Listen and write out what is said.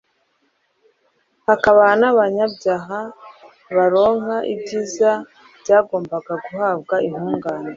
hakaba n'abanyabyaha baronka ibyiza byagombaga guhabwa intungane